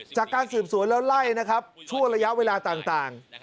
จากการสืบสวนแล้วไล่นะครับชั่วระยะเวลาต่าง